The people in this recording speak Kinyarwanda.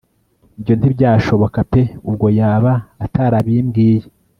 ibyo ntibyashoka peubwo yaba atarabimbwiye